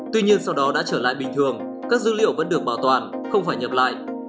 tuy nhiên sau đó đã trở lại bình thường các dữ liệu vẫn được bảo toàn không phải nhập lại